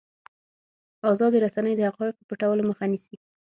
ازادې رسنۍ د حقایقو پټولو مخه نیسي.